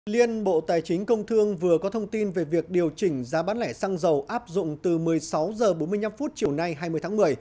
liên bộ tài chính công thương vừa có thông tin về việc điều chỉnh giá bán lẻ xăng dầu áp dụng từ một mươi sáu h bốn mươi năm chiều nay hai mươi tháng một mươi